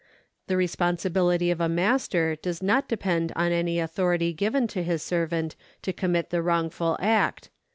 The responsibihty of a master does not depend on any authority given to his servant to commit the wrongful act.